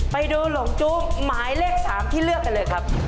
ไปดูหลงจู้หมายเลข๓ที่เลือกกันเลยครับ